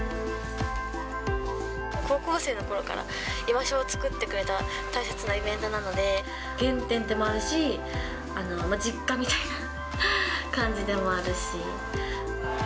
高校生のころから、居場所を作ってくれた大切なイベントなので、原点でもあるし、実家みたいな感じでもあるし。